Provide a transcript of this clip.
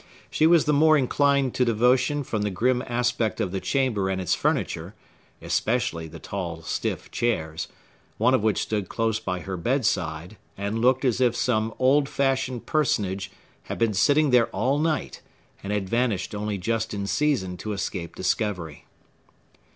She was the more inclined to devotion from the grim aspect of the chamber and its furniture, especially the tall, stiff chairs; one of which stood close by her bedside, and looked as if some old fashioned personage had been sitting there all night, and had vanished only just in season to escape discovery.